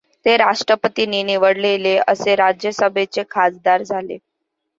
ते राष्ट्रपतींनी निवडलेले असे राज्यसभेचे खासदार झाले.